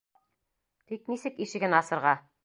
Тик нисек ишеген асырға?